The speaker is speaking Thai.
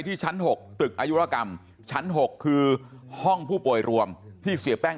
ที่ชั้น๖ตึกอายุรกรรมชั้น๖คือห้องผู้ป่วยรวมที่เสียแป้ง